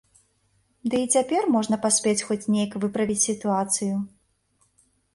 Ды і цяпер можна паспець хоць неяк выправіць сітуацыю.